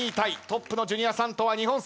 トップのジュニアさんとは２本差。